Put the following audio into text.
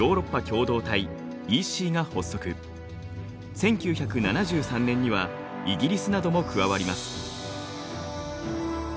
１９７３年にはイギリスなども加わります。